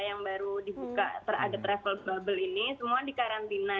yang baru dibuka terada travel bubble ini semua di karantina